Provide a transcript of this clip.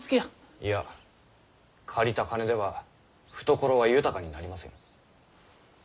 いや借りた金では懐は豊かになりません。